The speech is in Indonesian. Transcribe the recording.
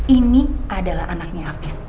ini adalah anaknya afif